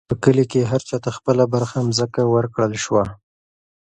په کلي کې هر چا ته خپله برخه مځکه ورکړل شوه.